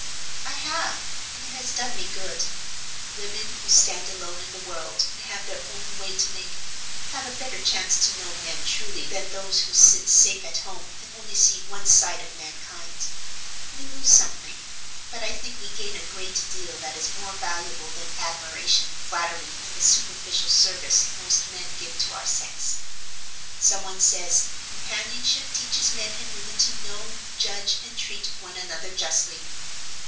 "I have, and it has done me good. Women who stand alone in the world, and have their own way to make, have a better chance to know men truly than those who sit safe at home and only see one side of mankind. We lose something; but I think we gain a great deal that is more valuable than admiration, flattery, and the superficial service most men give to our sex. Some one says, 'Companionship teaches men and women to know, judge, and treat one another justly.